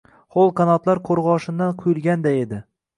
ho‘l qanotlar qo‘rg‘oshindan quyulganday edi.